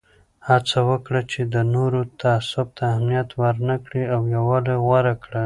هڅه وکړه چې د نورو تعصب ته اهمیت ورنه کړې او یووالی غوره کړه.